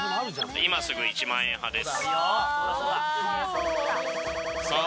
今すぐ１万円派です。